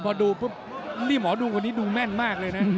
พอดูปุ๊บนี่หมอดูคนนี้ดูแม่นมากเลยนะ